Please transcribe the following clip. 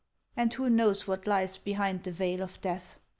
And who knows what lies behind the veil of death